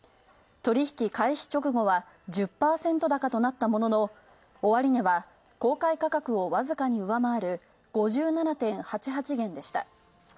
取引開始直後は１０％高となったものの終値は公開価格をわずかに上回る５７．８８元でした。